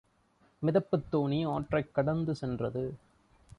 மிதப்புத் தோணி ஆற்றைக் கடந்து சென்றது.